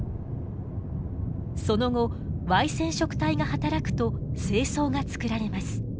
その後Ｙ染色体が働くと精巣が作られます。